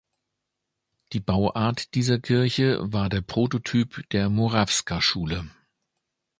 Die Bauart dieser Kirche war der Prototyp der Moravska-Schule.